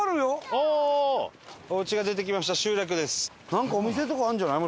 なんかお店とかあるんじゃない？